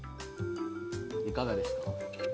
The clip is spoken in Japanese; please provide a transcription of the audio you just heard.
いかがですか？